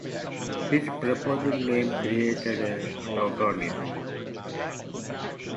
His proposed name created a tautonym.